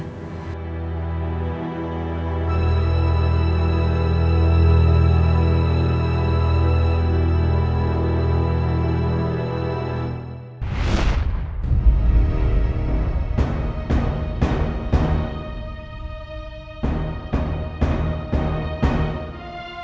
terima kasih bu